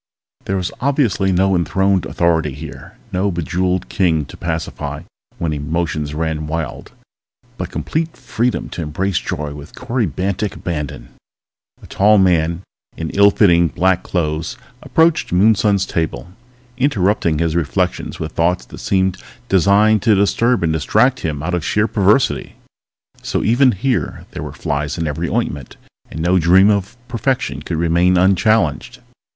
There was obviously no enthroned authority here, no bejeweled king to pacify when emotions ran wild, but complete freedom to embrace joy with corybantic abandonment. A tall man in ill fitting black clothes approached Moonson's table, interrupting his reflections with thoughts that seemed designed to disturb and distract him out of sheer perversity. So even here there were flies in every ointment, and no dream of perfection could remain unchallenged.